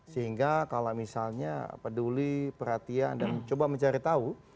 sehingga kalau misalnya peduli perhatian dan coba mencari tahu